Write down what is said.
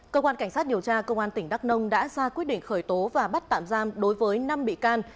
cơ quan cảnh sát điều tra công an tỉnh đắk nông đã ra quyết định khởi tố và bắt tạm giam đối với năm bị can